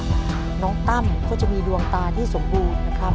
น้องตั้มก็จะมีดวงตาที่สมบูรณ์นะครับ